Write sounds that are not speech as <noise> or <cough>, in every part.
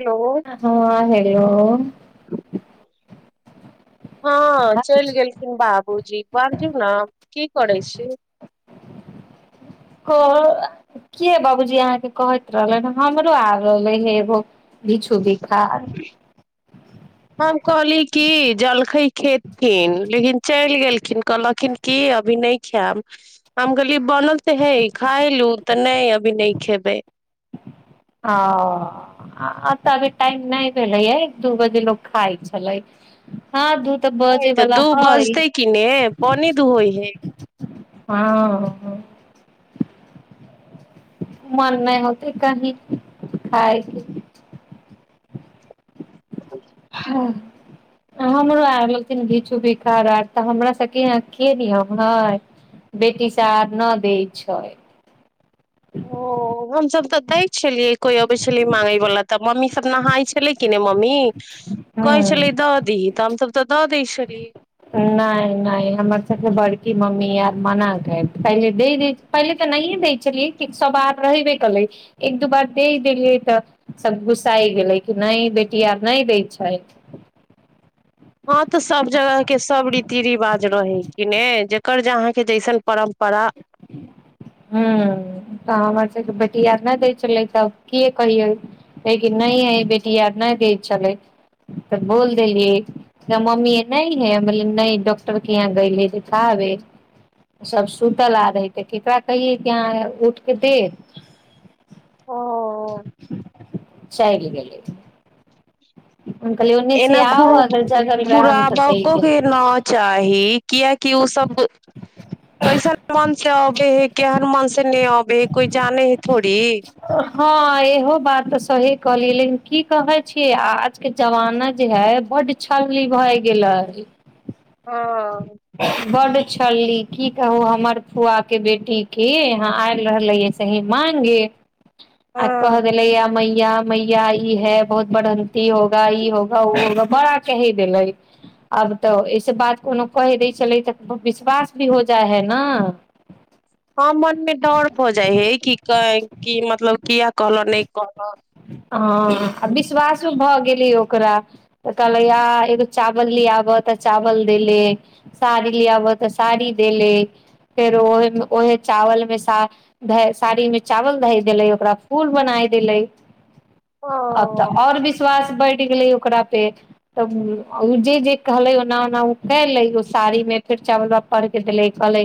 hello हँ hello हँ चलि गेलखिन बाबूजी बाजू ने की करै छी क ह बाबूजी अहाँके कहैत रहले हमरो आ रहले हे एगो भीछु भी हम कहली कि जलखै खेथिन लेकिन चलि गेलखिन कहलखिन क अभी नहि खायब हम कहलियी बनल तऽ हे खाय लू तऽ नहि अभी नहि खेबै ओ तऽ अभी टाइम नहि भेलैए एक दू बजे लोक खाइ छलै नहि तऽ दूह बजतै कि ने पान दुहै होय है हँ मन नहि होत कहि खायके हमरो आर लथिन भिचु भीखार आर तऽ हमरा सबके य के नियम है बेटी स आर न दै छै ओ हमसभ तऽ दै त नहााय छलै कि नेय मम्मी कहै ह छललै दऽ दीही त हम त तऽ दऽ दै छी नहि नहि हमर सब बड़की मम्मी आर मनााक पहिले द द पहिले तऽ नहिए दै छलियै कि सभ आर रहबे कलै एक दू बार दहि देलियै तऽ सभ गुस्सााय गेलै कि नहि बेटी आर नहि दै छथि हँ तऽ सब जगह के सब रीति रिवाज रहे कि ने जकर जे अहाँके जैसन परम्परा हुँ तऽ हमर सबके बेटी आर नहि दै छलै तऽ के कहिै नहि ह बेटी आर नहि दै छलै तऽ बोल देलियै त मम्मी नहि हे डॉक्टर के यहाँ गेबे सब सुतल आर दैतय केकरा कहि त उठके दे ह चइल गेल लेथ एना घ रहम तऽ दै घुराबको के देब न चाही कए कि ओ सभ कैसन मन से अबे है केहन मन से नहि अबे है कोई जाने है थोड़ी हँ इहो बात तऽ सही कहलियै लेकिन की कहै छीिय आजके जमाना जे है बड्ड छललली भए गेलै ह पूछली की कहू हमर फुआके बेटीके यहाँ आयल रहलै सही मागे आ कह हँ देलै य मैया मैया ई है बहुत बढ़न्तीी होगा ई होगा ओ होगा बड़ा की देले अब तऽ ऐस बात कोनो कहि दै छलै तऽ विश्वास भी हो जाइ हइ ने हँ मन मे डर भऽ जाइ हे कि क मतलब क कल नहि कल हँ आ विश्वासो भऽ गेली ओकरा तऽ कहलै आ एगो चावल ले आबह तऽ चावल देले साड़ी ले आबह तऽ साड़ी देेले फेर ओहे ओहे चावलमे सा साड़ीमे चावल धए देले ओकरा पूल बनाय देलै अब तऽ ओ आओर विश्वास बढ़ गेले ओकरा पे जे जे कहले ओना ओना उ कले साड़ी मे फेर चावल बाब पढ़ के देले कहले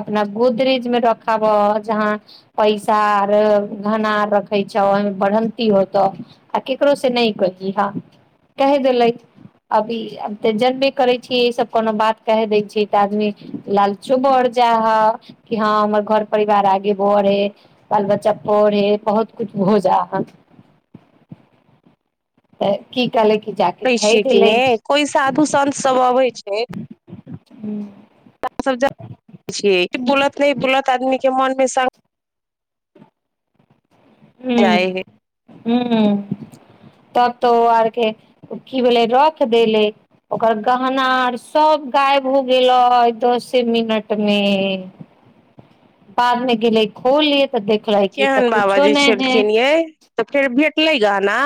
अपना गोदरेज मे रखाब जहाँ पैसा आर घना रे छ ओहि बढ़ंती होतौ आ केकरो से नहि की ह कहि देले अभी तऽ जनबे करै छीिय ई सब कोनो बात क दै छै तऽ आदमी लालचो बढ़ जा ह कि हँ हमर घर परिवार आगे बढ़े बाल बच्चा पढ़े बहुत कछु भ जा तऽ की कहलै कि जाके करै धइ छियै कि देलै नहि कोइ साधु सन्त सभ अबै छै हू सभ छ बुलत नहि बुलत आदमीके मोनमे स् ह जाइ हे ह तब तो आर के की भेले रख देले ओकर गहना आर सभ गायब हो गेलै दसे मिनट मे बादमे गेलै खोल लिय केहन बाबाजी छलखिन ये तऽ फेर भेट फेर मिलाई गहना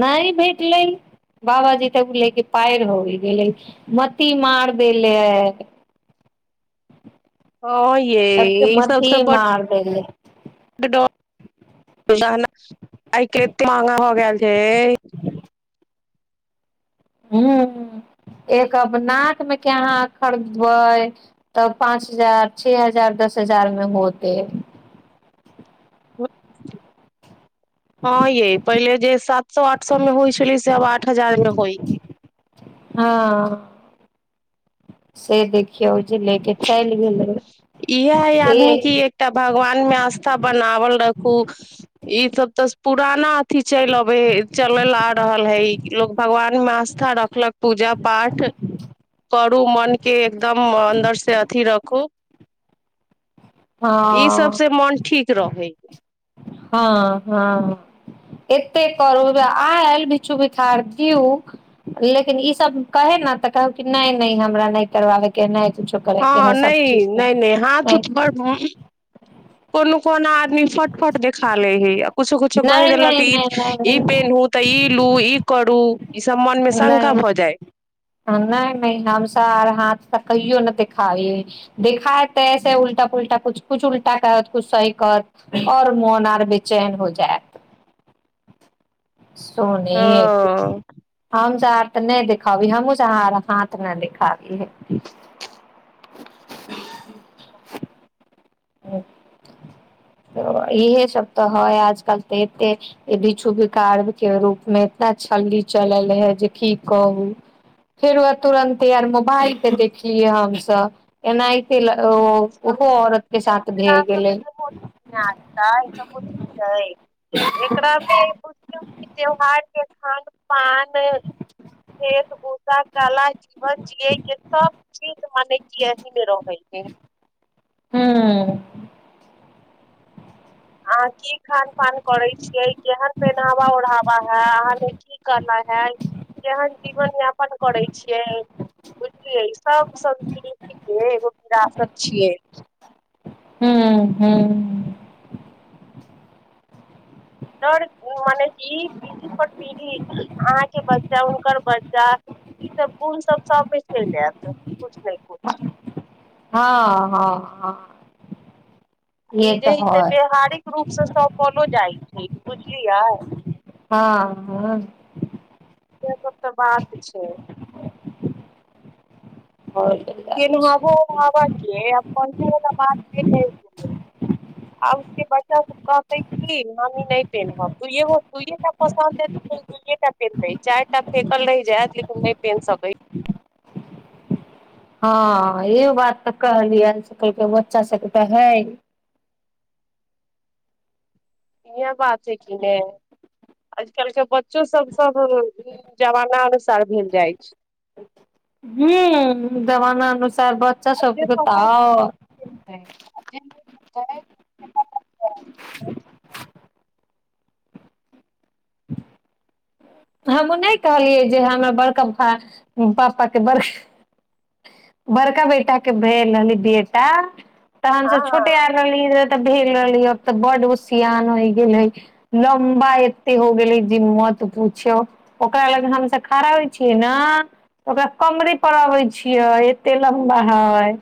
नहि भेटलै बाबाजी तऽ बुललै कि पार होय गेलै मत्ती मारि देलै ह ये ई सबस ब मार देले आइ महगा हो गेल छ ह्म एक नाकमे के अहाँ खरीदबै तऽ पाँच हजार छओ हजार दस हजारमे होतै ओ हँ य पहिल जे एक स आठ सए मे होइ छलै से आब आ अठ हजार मे होई हँ से देखि इह हय ए आदमी कि एकटा भगवान मे आस्था बनावल रखू ई सब त पुराना इति चल लबे चल ल आ रहल है लोग भगवान में आस्था रखलक पूजा पाठ करू मन के एकदम अन्दर से से अथी रखू ई हँ सबसँ मन ठीक रहैए हँ हँ एते करू आयल बिचछू बिखार दिउ लेकिन ई सभ कहे ने तऽ कह नहि नहि हमरा नहि करबाबेके नहि कुछो करे के हँ है सब नहि चीज नहि नहि हाथ उथ बड़ कोनो को आदी फट देखा लै है कछो कछो क नहि देलक नहि नहि पेन् तऽ ल ई करू ई सभ मन नहि शका नहि भऽइ नहि नहि हमस आर हाथ तऽ कहियो न देखाइ देखखा तैसे उलटा पुलटा कुछ कुछ उल्टा क कु स कर आओर मोन आर बेचैन हो जायत हँ सोनी ह हम जा तऽ नहि दिखाबी हमहुू जहाँ तऽ नहि दिखाबी है इहे सभ तऽ है आजकल तऽ एते भिक्षुभिकार के रूप मे एतना छलली चलल हे जे की कहू फेरो तुरंते आर मोबाइल पे देखलियै हमसभ एनाहिते ओ ओहो औरत साथ भए गेलै एकरा मे बुझल त्यौहार खान पान खेल भूषा कला जीवन जियै के सब चीज मने क अह मे रहै ह हँ आ की खान पान करै छियै केहन पहिनावा ओढ़ावा है अहाँ मे की केना है केहन जीवन यापन करै छियै बुझलियै सभ सम्त एगो विरासत छियै हू हू र मने ई पीढ़ी पर पीढ़ी अहाँके ब चा हुनकर बच्चा ईसभ गुण सब सबमे चलि आयत किछ ने किछ हँ हँ हँ ई ये जे तऽ है से हय व्याववहारिक रूप से सौपलो जाइ स बुझल या हँ हँ सेसभ तऽ बात छै होल जाइ बात गेल छै <unintelligible> आबके बच्चा सब कहतै कि मम्मी नहि पेन्हब त दुूइयए टा पसन्द हेतै त दुूइएटा पेन्हतै चारि टा फेकल रहि जायत लेकिन नहि पेन्ह सकै हँ इ बात तऽ कहलियै आकलके बच्चा सभके तऽ है इह बात छै की नहि आजकल के बच्चो सब सब ह जमाना अनुसार भेल जाइ छै सार बच्चा जे सबके पसन्द दओ त <unintelligible> हमहूँ नहि कहलियै जे हमरा बड़का भाय पापाके बड़का बड़का बेटााके भेल रहली बेटा तऽ हमसभ छोटे हँ आल रहली रह त भेल रहलै आब तऽ बड उसियान होय गेल है लमबा एते हो गेली जी मत पूछौ ओकरा लग हमस खड़ा होइ छियै ने ओकरा कमरे पर अबै छै छियै एते लम्बा हइ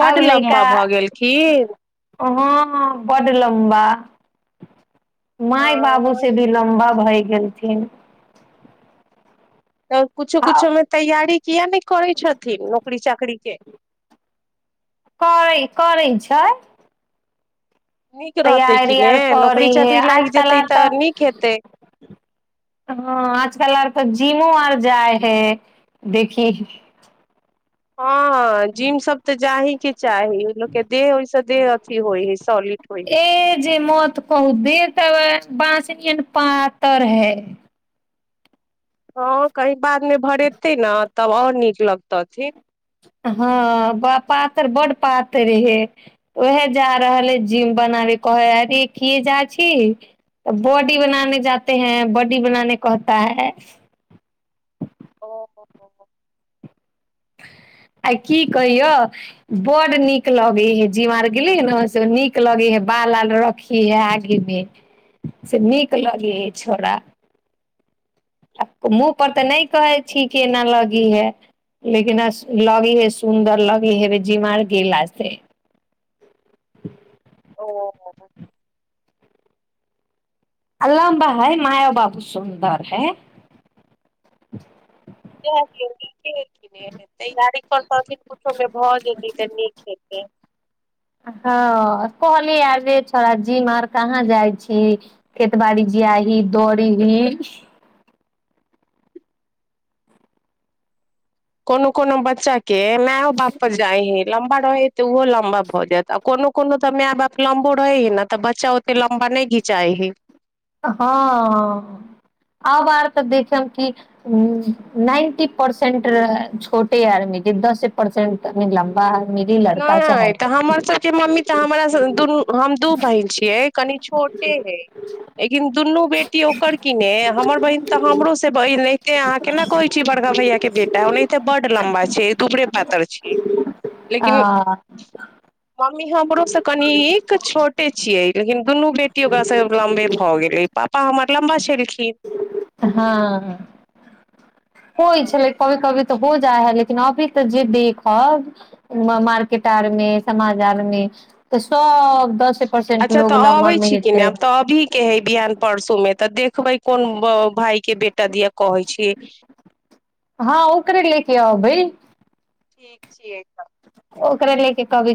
बड्ड लम्बा भऽ गेलखिन हँ ह बड लम्बा अ माय बाबू से भी लम्बा होइ गेलथिन तऽर कुछो आ कुछो मे तैयारी किया ने करै छथिन नौकरी चाकरी के करै करै छै नीक रहतै कि तैयारी ने आर करी नौकरी है चाकरी लागि जेतै आजकर नीक तऽ हेतै हजकलर तऽ जिमो आर जाइ हइ देखी हँ जिम सब तऽ जाहि के चाही लोकके देह ओहिसँ देह अथि होइ है सॉलिड होइ हइ ए बाँसनी नियन पातर है ओ कहिं बाद मे भरेते ने तब आओर नीक लगतै कथी हँ पातर बड पातर हे उएह जा रहल है जिम बनाबे कहै अरे किए जा छी तऽ बॉडी बनाान जाे हैं बॉडी बनााने कहता है ओ आ की कहियो बड्ड नीक लगै हे जिम आर गेलीै ने से नीक लगे हे बाल आाल रखी हे आगेमे से नीक लगे हे छोड़ा आ मुूँहपर तऽ नहि कहै छी के एना लगी हे लेकिन लगी हे सुन्दर लगी हे व जिमार गेलासँ ह <inaudible> ओ आ लम्बा हइ जा दियो नीके छी ने तैयारी करतथिन किुछोमे भऽ जेतीै तऽ नीक हेतै हँ कहलियै आ जेे छोड़ जीम आर कहाँ जाइ छी खेतबाड़ी जियाही दौड़ही कोनो कोनो बच्चा कें माओ बाप जाइ हइ लम्बा रहै तऽ ओहो लमबा भ जायत आ कोनो कोनो त माय बाप लमबो रहै ही ने त बच्चायोत लम्बा नहि घिचाए हे हँ आब आर तऽ देखब कि नाइन्टी परसेंट छोटे आरमे जे दसे परसेंटनि लम्बा आदमी लड़का चाहे नहि तऽ लड़की हमर सबके मम्मी तऽ हमर दुनू हम दू बहन छियै कनि छोटे हे लेकिन दुनू बेटी ओकर कि ने हमर बहिन तऽ हमरो से बहि एते अहाँ केना कहैत छीिय बड़का भैयाक के बेटा ओनाहिते बड्ड लम्बा छै दुबरे पातर छीियै आ लेकिन हमी हमरो से कनिक छोटे छियै लेकिन दुनू बेटी ओकरा से लम्बे भऽ गेले प पापा हमर लम्बा छलखिर हँ होइ छलै कभी कभी तऽ हो जाइ है लेकिन अभी तऽ जे देखब मार्केट आर मे समाज आर मे तऽ सब दसे परसेंट अच्छा लोग तऽ लम्बा अबै मे छी की नहि हेतै आब तऽ अभी के हइ बिहान परसू मे तऽ देखबै कोन भई के बेटा दिया कहै छी भइ ठीक छियै तऽ ओकररा ले क कब